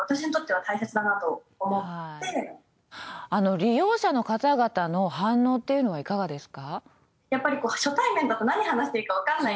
利用者の方々の反応っていうのはいかがですか？